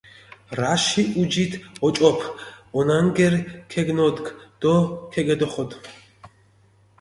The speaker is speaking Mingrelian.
რაში ჸუჯით ოჭოფჷ, ონანგერი გეგნოდგჷ დო ქეგედოხოდჷ.